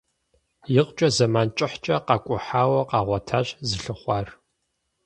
Икъукӏэ зэмэн кӏыхькӏэ къакӏухьауэ къагъуэтащ зылъыхъуар.